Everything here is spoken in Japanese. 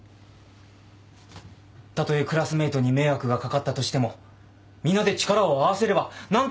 たとえクラスメートに迷惑が掛かったとしても皆で力を合わせれば何とかなるのでは。